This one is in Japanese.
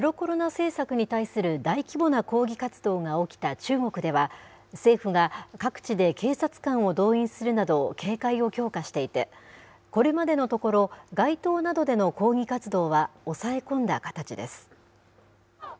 政策に対する大規模な抗議活動が起きた中国では、政府が各地で警察官を動員するなど、警戒を強化していて、これまでのところ、街頭などでの抗議活動は抑え込んだ形です。